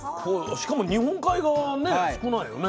しかも日本海側はね少ないよね。